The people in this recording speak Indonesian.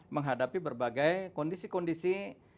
menghadapi berbagai kondisi kondisi